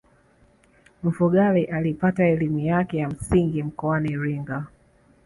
mfugale alipata elimu yake ya msingi mkoani iringa